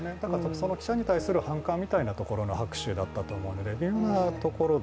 その記者に対する反感みたいなところの拍手だったと思うので。